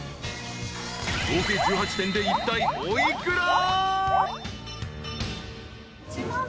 ［合計１８点でいったいお幾ら？］